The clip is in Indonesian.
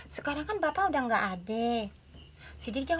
semua barang udah pada diangkutin kok